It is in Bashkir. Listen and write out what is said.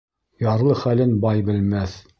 Ярлы хәлен бай белмәҫ.